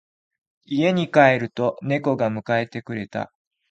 家に帰ると猫が迎えてくれた。